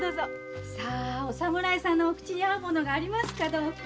お侍さんのお口に合うものがありますかどうか。